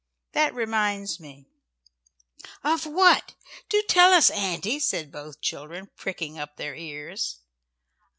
That reminds me " "Of what? Do tell us, Auntie;" said both children, pricking up their ears.